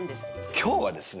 今日はですね。